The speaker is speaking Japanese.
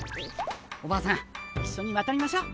おばあさん一緒にわたりましょ。